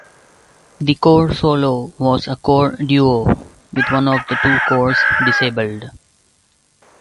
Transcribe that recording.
The Core Solo was a Core Duo with one of the two cores disabled.